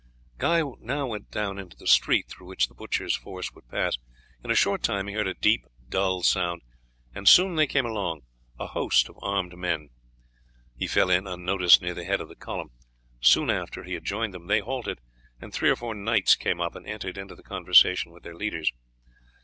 Guy now went down into the street through which the butchers' force would pass. In a short time he heard a deep dull sound, and soon they came along, a host of armed men. He fell in unnoticed near the head of the column. Soon after he had joined them they halted, and three or four knights came up and entered into conversation with their leaders.